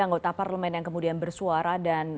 anggota parlemen yang kemudian bersuara dan